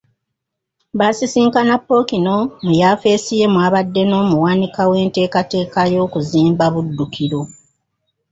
Basisinkana Ppookino mu yafeesi ye mw'abadde n'omuwanika w'enteekateeka y'okuzimba Buddukiro.